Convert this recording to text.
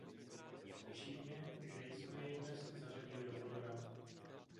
Těší mě, že jsme ji dnes zařadili do programu.